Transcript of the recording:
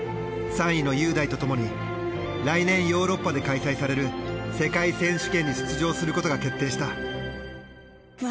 ３位の雄大と共に来年ヨーロッパで開催される世界選手権に出場することが決定した。